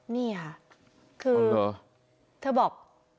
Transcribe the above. นี่ค่ะคือเธอบอก